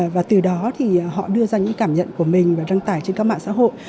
và từ đó họ đưa ra những cảm nhận của mình và răng tải trên các mạng xã hội